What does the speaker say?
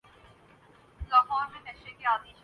اپنی ہی پرانی فلمیں دیکھ لی جائیں۔